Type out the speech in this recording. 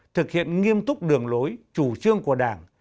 thực hiện nghiêm túc đường lối chủ trương của đảng